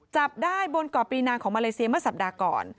จับได้บนเกาะปีนางของมาเลเซียเมื่อสัปดาห์ก่อน